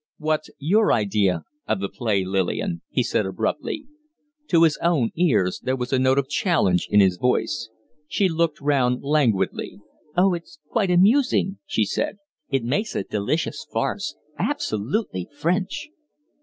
"What's your idea of the play, Lillian?" he said, abruptly. To his own ears there was a note of challenge in his voice. She looked round languidly. "Oh, it's quite amusing," she said. "It makes a delicious farce absolutely French."